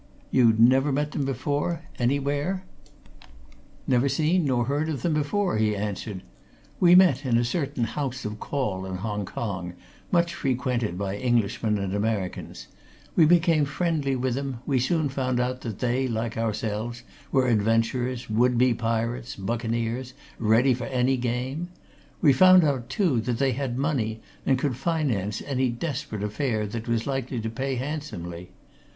"You'd never met them before anywhere?" "Never seen nor heard of them before," he answered. "We met in a certain house of call in Hong Kong, much frequented by Englishmen and Americans; we became friendly with them; we soon found out that they, like ourselves, were adventurers, would be pirates, buccaneers, ready for any game; we found out, too, that they had money, and could finance any desperate affair that was likely to pay handsomely.